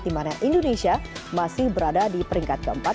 dimana indonesia masih berada di peringkat keempat